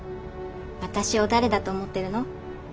私を誰だと思ってるの？